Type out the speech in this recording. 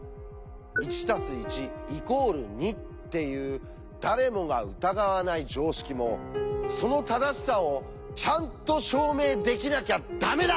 「『１＋１＝２』っていう誰もが疑わない常識もその正しさをちゃんと証明できなきゃダメだ！」